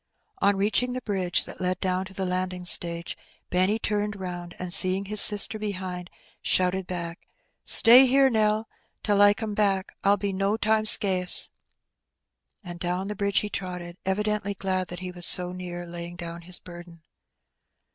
On reaching the bridge that led down to the landing stage, Benny turned round, and, seeing his sister behind, shouted back. Stay here, Nell, till I come back — I'll be no time it Hee Bennt. 'ce." And down the bridge he trotted, evidently frlad he was so near laying down his burden.